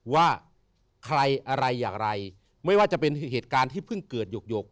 ว่าใครอะไรอย่างไรไม่ว่าจะเป็นเหตุการณ์ที่เพิ่งเกิดหยก